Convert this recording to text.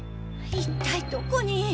一体どこに？